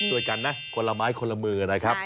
ช่วยกันนะคนละไม้คนละมือนะครับ